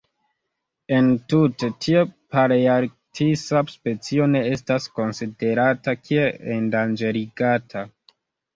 Entute, tiu palearktisa specio ne estas konsiderata kiel endanĝerigata.